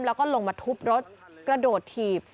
แล้วก็ลงมาทุบรถกระโดดถีบ